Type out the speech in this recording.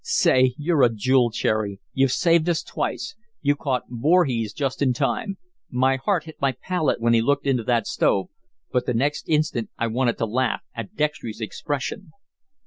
"Say, you're a jewel, Cherry. You've saved us twice. You caught Voorhees just in time. My heart hit my palate when he looked into that stove, but the next instant I wanted to laugh at Dextry's expression."